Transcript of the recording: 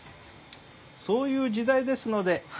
そういう時代ですので。